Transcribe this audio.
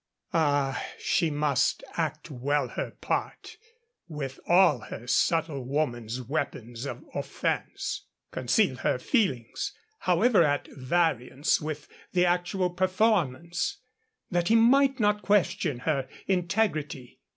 Ah, she must act well her part, with all her subtle woman's weapons of offense; conceal her feelings (however at variance with the actual performance), that he might not question her integrity.